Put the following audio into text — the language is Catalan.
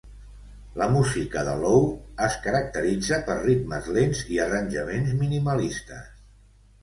La música de Low es caracteritza per ritmes lents i arranjaments minimalistes.